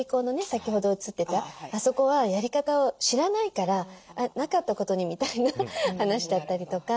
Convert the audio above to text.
先ほど映ってたあそこはやり方を知らないからなかったことにみたいな話だったりとか。